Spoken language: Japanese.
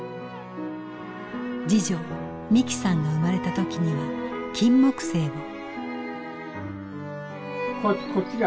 次女美紀さんが生まれた時には金木犀を。